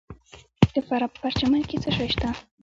د فراه په پرچمن کې څه شی شته؟